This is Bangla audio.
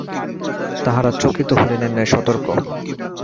তাহারা চকিত হরিণের ন্যায় সতর্ক।